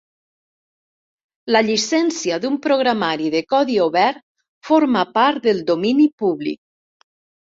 La llicència d'un programari de codi obert forma part del domini públic.